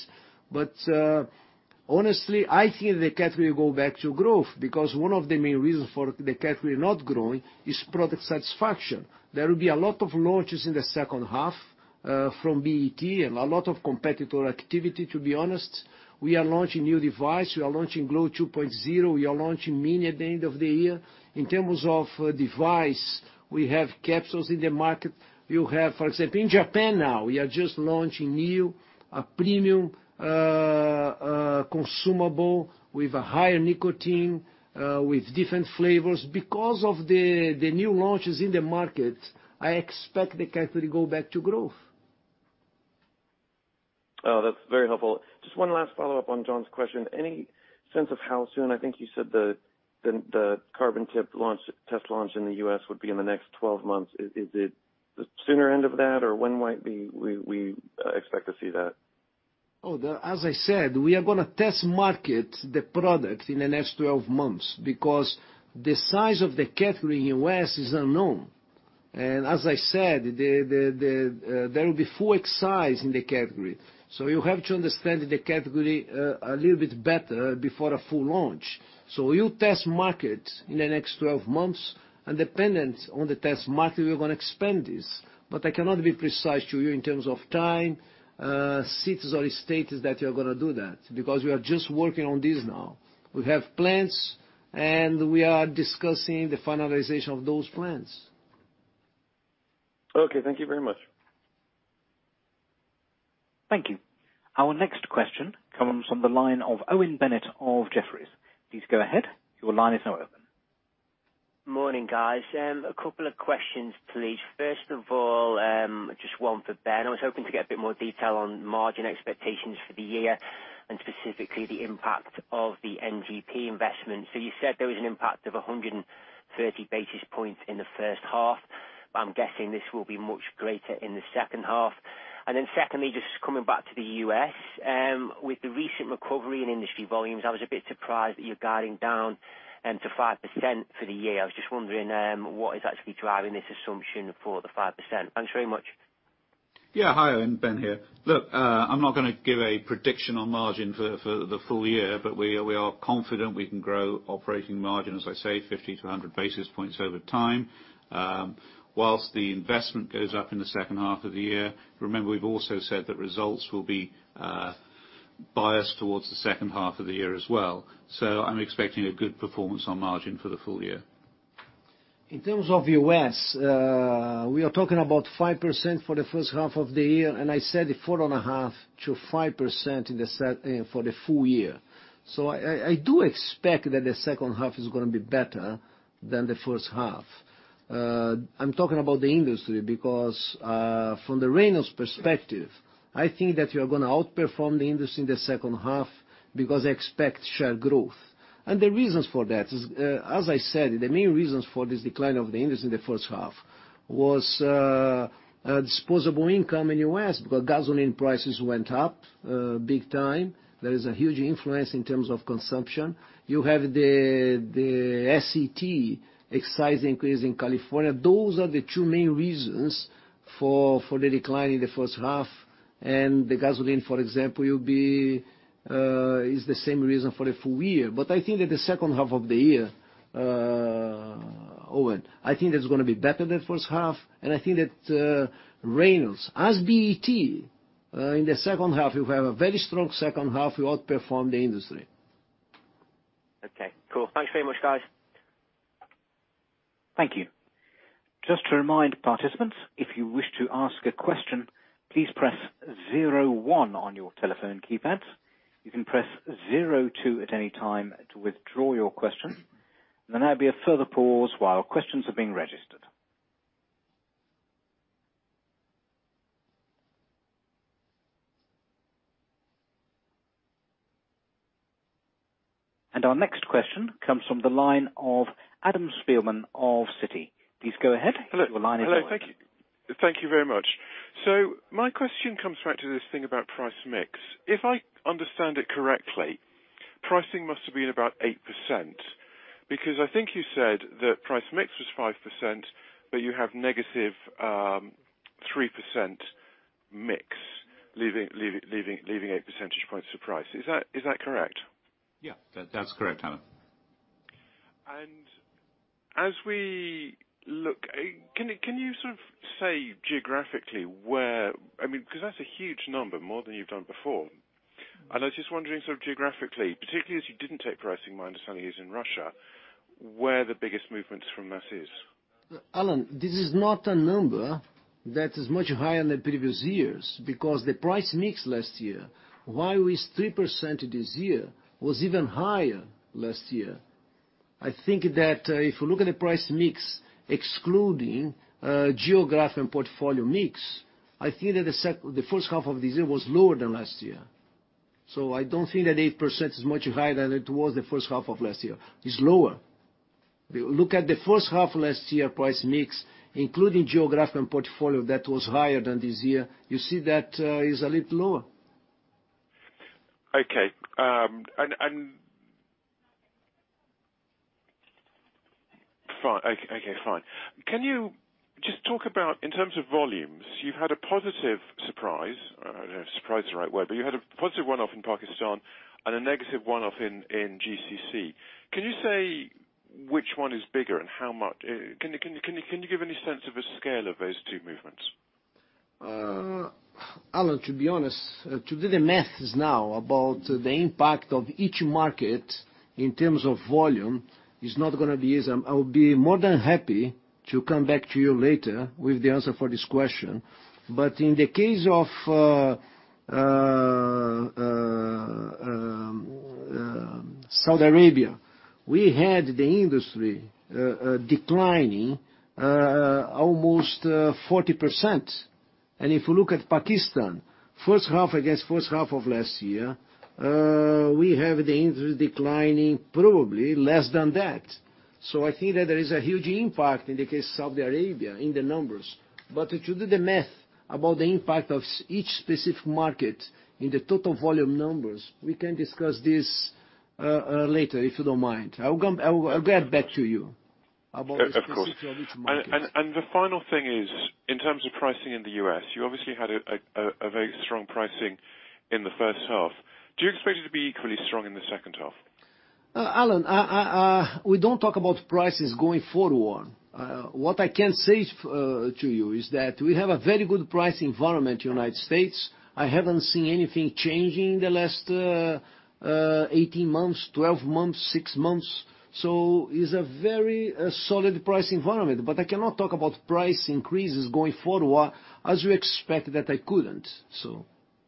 Speaker 1: honestly, I think the category go back to growth because one of the main reasons for the category not growing is product satisfaction. There will be a lot of launches in the second half from BAT and a lot of competitor activity, to be honest. We are launching new device. We are launching Glo 2.0. We are launching Mini at the end of the year. In terms of device, we have capsules in the market. You have, for example, in Japan now, we are just launching new, a premium consumable with a higher nicotine, with different flavors. Because of the new launches in the market, I expect the category go back to growth.
Speaker 6: That's very helpful. Just one last follow-up on John's question. Any sense of how soon, I think you said the carbon tip test launch in the U.S. would be in the next 12 months. Is it the sooner end of that or when might we expect to see that?
Speaker 1: As I said, we are going to test market the product in the next 12 months because the size of the category in U.S. is unknown. As I said, there will be full excise in the category. You have to understand the category a little bit better before a full launch. You test market in the next 12 months, and dependent on the test market, we are going to expand this. I cannot be precise to you in terms of time, cities, or the states that you are going to do that because we are just working on this now. We have plans, and we are discussing the finalization of those plans.
Speaker 6: Okay, thank you very much.
Speaker 3: Thank you. Our next question comes from the line of Owen Bennett of Jefferies. Please go ahead. Your line is now open.
Speaker 7: Morning, guys. A couple of questions, please. First of all, just one for Ben. I was hoping to get a bit more detail on margin expectations for the year and specifically the impact of the NGP investment. You said there was an impact of 130 basis points in the first half, I'm guessing this will be much greater in the second half. Secondly, just coming back to the U.S., with the recent recovery in industry volumes, I was a bit surprised that you're guiding down to 5% for the year. I was just wondering what is actually driving this assumption for the 5%? Thanks very much.
Speaker 2: Yeah. Hi, Owen. Ben here. I'm not gonna give a prediction on margin for the full year, we are confident we can grow operating margin, as I say, 50 to 100 basis points over time. Whilst the investment goes up in the second half of the year, remember, we've also said that results will be biased towards the second half of the year as well. I'm expecting a good performance on margin for the full year.
Speaker 1: In terms of U.S., we are talking about 5% for the first half of the year, I said 4.5%-5% for the full year. I do expect that the second half is gonna be better than the first half. I'm talking about the industry because, from the Reynolds perspective, I think that we are going to outperform the industry in the second half because I expect share growth. The reasons for that is, as I said, the main reasons for this decline of the industry in the first half was disposable income in U.S. because gasoline prices went up big time. There is a huge influence in terms of consumption. You have the SET excise increase in California. Those are the two main reasons for the decline in the first half, the gasoline, for example, is the same reason for the full year. I think that the second half of the year, Owen, I think that's going to be better than first half, I think that Reynolds, as BAT In the second half, we will have a very strong second half. We outperform the industry.
Speaker 7: Okay, cool. Thanks very much, guys.
Speaker 3: Thank you. Just to remind participants, if you wish to ask a question, please press 01 on your telephone keypads. You can press 02 at any time to withdraw your question. There will now be a further pause while questions are being registered. Our next question comes from the line of Adam Spielman of Citi. Please go ahead.
Speaker 8: Hello.
Speaker 3: Your line is open.
Speaker 8: Hello. Thank you very much. My question comes back to this thing about price mix. If I understand it correctly, pricing must have been about 8%, because I think you said that price mix was 5%, but you have negative 3% mix, leaving 8 percentage points to price. Is that correct?
Speaker 1: Yeah. That is correct, Adam.
Speaker 8: As we look, can you sort of say geographically where Because that is a huge number, more than you have done before. I was just wondering, sort of geographically, particularly as you did not take pricing, my understanding is in Russia, where the biggest movements from this is?
Speaker 1: Adam, this is not a number that is much higher than previous years because the price mix last year, while it is 3% this year, was even higher last year. I think that if you look at the price mix, excluding geographic and portfolio mix, I think that the first half of this year was lower than last year. I do not think that 8% is much higher than it was the first half of last year. It is lower. Look at the first half last year price mix, including geographic and portfolio, that was higher than this year. You see that it is a little lower.
Speaker 8: Okay. Fine. Can you just talk about, in terms of volumes, you have had a positive surprise. I do not know if surprise is the right word, but you had a positive one-off in Pakistan and a negative one-off in GCC. Can you say which one is bigger and how much? Can you give any sense of a scale of those two movements?
Speaker 1: Adam, to be honest, to do the math now about the impact of each market in terms of volume is not going to be easy. I will be more than happy to come back to you later with the answer for this question. In the case of Saudi Arabia, we had the industry declining almost 40%. If you look at Pakistan, first half against first half of last year, we have the industry declining probably less than that. I think that there is a huge impact in the case of Saudi Arabia in the numbers. To do the math about the impact of each specific market in the total volume numbers, we can discuss this later, if you don't mind. I'll get back to you about the specifics of each market.
Speaker 8: Of course. The final thing is, in terms of pricing in the U.S., you obviously had a very strong pricing in the first half. Do you expect it to be equally strong in the second half?
Speaker 1: Adam, we don't talk about prices going forward. What I can say to you is that we have a very good price environment in the United States. I haven't seen anything changing in the last 18 months, 12 months, six months. It's a very solid price environment. I cannot talk about price increases going forward, as you expect that I couldn't.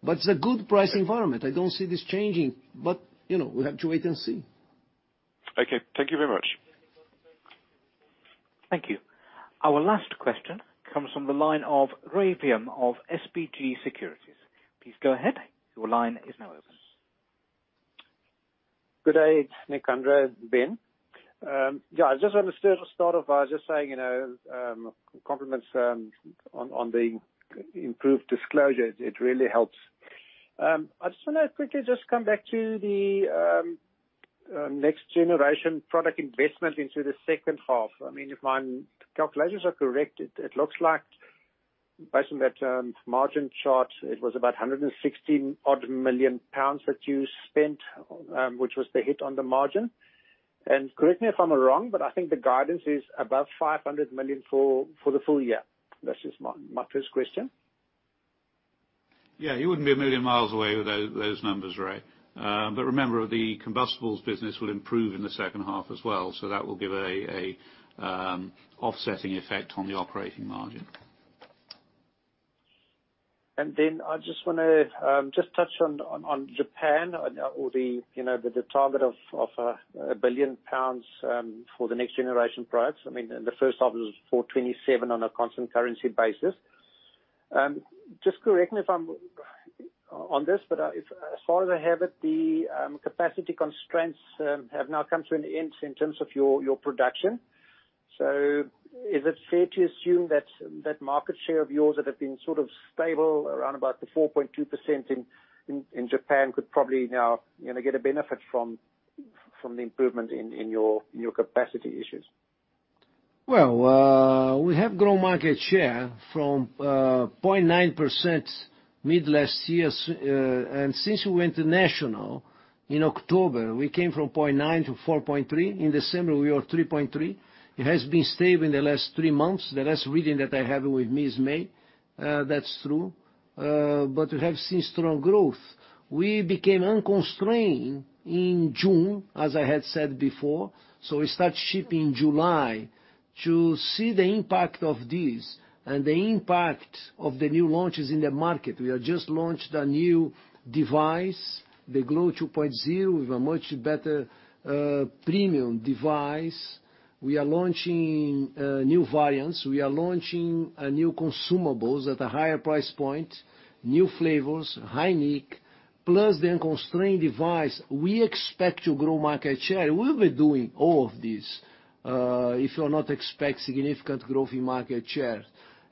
Speaker 1: It's a good price environment. I don't see this changing. We have to wait and see.
Speaker 8: Okay. Thank you very much.
Speaker 3: Thank you. Our last question comes from the line of Rey Wium of SBG Securities. Please go ahead. Your line is now open.
Speaker 9: Good day, it's Nick, Nicandro, and Ben. I just want to start off by just saying, compliments on the improved disclosure. It really helps. I just want to quickly just come back to the next generation product investment into the second half. If my calculations are correct, it looks like based on that margin chart, it was about 160 odd million GBP that you spent, which was the hit on the margin. Correct me if I'm wrong, but I think the guidance is above 500 million for the full year. That's just my first question.
Speaker 2: You wouldn't be a million miles away with those numbers, Rey. Remember, the combustibles business will improve in the second half as well, so that will give a offsetting effect on the operating margin.
Speaker 9: I just want to just touch on Japan or the target of 1 billion pounds for the next generation products. I mean, in the first half, it was 427 on a constant currency basis. Just correct me on this, but as far as I have it, the capacity constraints have now come to an end in terms of your production. Is it fair to assume that that market share of yours that have been sort of stable around about the 4.2% in Japan could probably now get a benefit from the improvement in your capacity issues?
Speaker 1: Well, we have grown market share from 0.9% mid-last year. Since we went national in October, we came from 0.9 to 4.3. In December, we were 3.3. It has been stable in the last three months. The last reading that I have with me is May. That's true. We have seen strong growth. We became unconstrained in June, as I had said before, so we start shipping July. To see the impact of this and the impact of the new launches in the market, we have just launched a new device, the Glo 2.0, with a much better premium device. We are launching new variants. We are launching new consumables at a higher price point, new flavors, high nic, plus the unconstrained device. We expect to grow market share. We'll be doing all of this, if you're not expect significant growth in market share.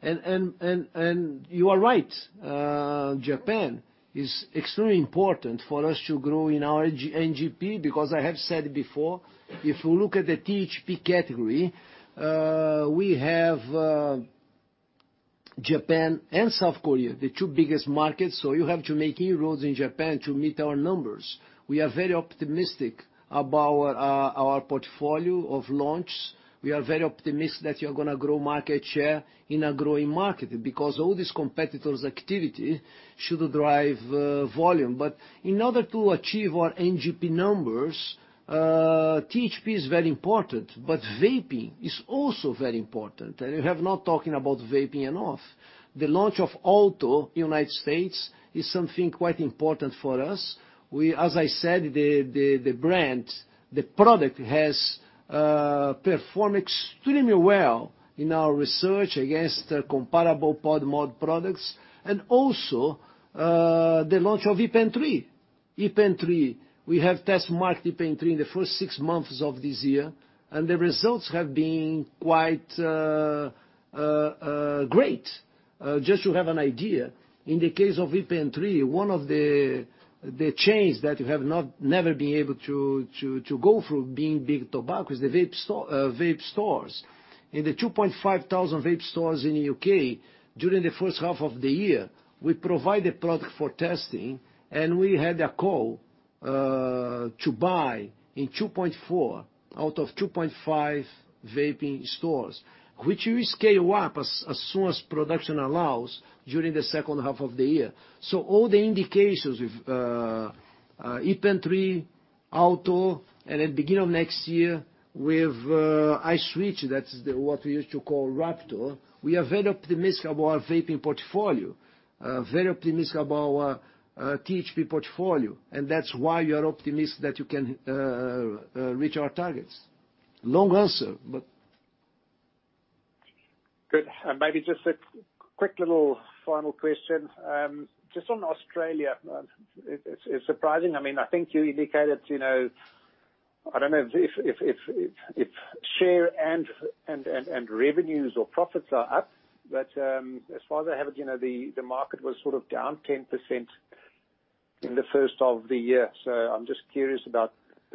Speaker 1: You are right, Japan is extremely important for us to grow in our NGP, because I have said before, if you look at the THP category, we have Japan and South Korea, the two biggest markets, so you have to make inroads in Japan to meet our numbers. We are very optimistic about our portfolio of launches. We are very optimistic that we are going to grow market share in a growing market, because all these competitors' activity should drive volume. In order to achieve our NGP numbers, THP is very important, but vaping is also very important, and you have not talking about vaping enough. The launch of Alto in the U.S. is something quite important for us. As I said, the brand, the product has performed extremely well in our research against comparable pod mod products. Also, the launch of ePen 3. ePen 3, we have test marked ePen 3 in the first 6 months of this year, and the results have been quite great. Just to have an idea, in the case of ePen 3, one of the chains that you have never been able to go through, being big tobacco, is the vape stores. In the 2,500 vape stores in the U.K., during the first half of the year, we provided product for testing, and we had a call to buy in 2.4 out of 2.5 vaping stores, which we scale up as soon as production allows during the second half of the year. All the indications with ePen 3, Alto, and at the beginning of next year, with iSwitch, that's what we used to call Rapture, we are very optimistic about our vaping portfolio, very optimistic about our THP portfolio, and that's why we are optimistic that we can reach our targets.
Speaker 9: Good. Maybe just a quick little final question. Just on Australia, it's surprising. I think you indicated, I don't know if share and revenues or profits are up, but, as far as I have it, the market was sort of down 10% in the first half of the year. I'm just curious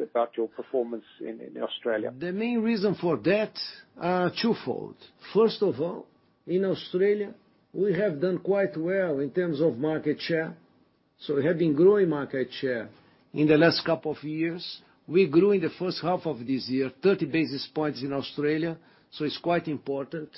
Speaker 9: about your performance in Australia.
Speaker 1: The main reason for that are twofold. First of all, in Australia, we have done quite well in terms of market share. We have been growing market share in the last couple of years. We grew in the first half of this year, 30 basis points in Australia, so it's quite important.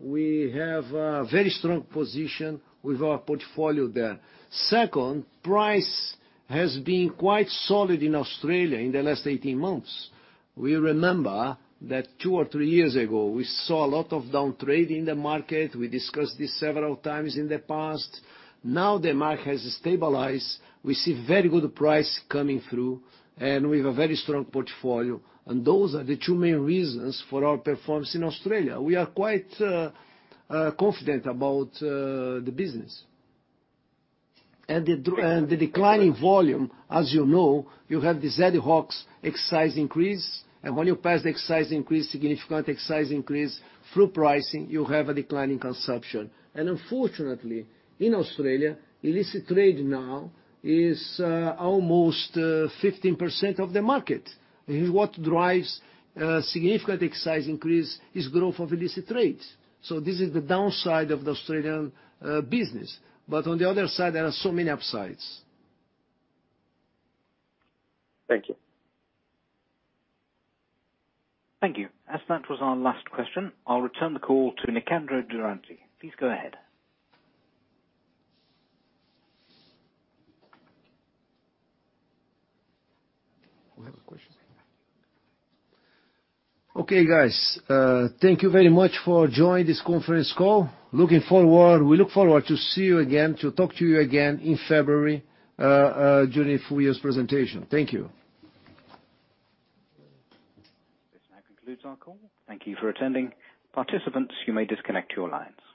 Speaker 1: We have a very strong position with our portfolio there. Second, price has been quite solid in Australia in the last 18 months. We remember that two or three years ago, we saw a lot of down trade in the market. We discussed this several times in the past. Now the market has stabilized. We see very good price coming through, we have a very strong portfolio, those are the two main reasons for our performance in Australia. We are quite confident about the business. The declining volume, as you know, you have the ad hoc excise increase, when you pass the excise increase, significant excise increase through pricing, you have a decline in consumption. Unfortunately, in Australia, illicit trade now is almost 15% of the market. What drives a significant excise increase is growth of illicit trades. This is the downside of the Australian business. On the other side, there are so many upsides.
Speaker 9: Thank you.
Speaker 3: Thank you. As that was our last question, I'll return the call to Nicandro Durante. Please go ahead.
Speaker 1: Do we have a question? Okay, guys. Thank you very much for joining this conference call. We look forward to see you again, to talk to you again in February, during the full year's presentation. Thank you.
Speaker 3: This now concludes our call. Thank you for attending. Participants, you may disconnect your lines.